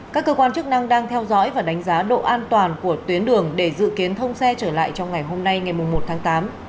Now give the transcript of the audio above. các cơ quan chức năng đang theo dõi và đánh giá độ an toàn của tuyến đường để dự kiến thông xe trở lại trong ngày hôm nay ngày một tháng tám